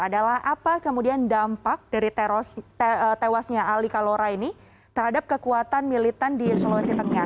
adalah apa kemudian dampak dari tewasnya ali kalora ini terhadap kekuatan militan di sulawesi tengah